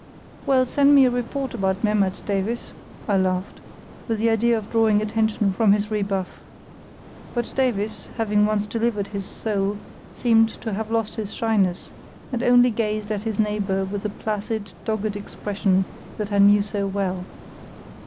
"Well, send me a report about Memmert, Davies," I laughed, with the idea of drawing attention from his rebuff. But Davies, having once delivered his soul, seemed to have lost his shyness, and only gazed at his neighbour with the placid, dogged expression that I knew so well.